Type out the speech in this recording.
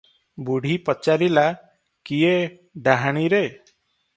ବୁଢୀ ପଚାରିଲା - କିଏ ଡାହାଣୀରେ?